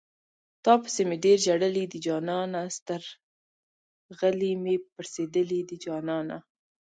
تاپسې مې ډېر ژړلي دي جانانه سترغلي مې پړسېدلي دي جانانه